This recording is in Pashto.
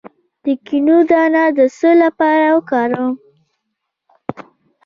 د کینو دانه د څه لپاره وکاروم؟